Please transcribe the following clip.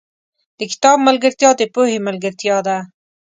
• د کتاب ملګرتیا، د پوهې ملګرتیا ده.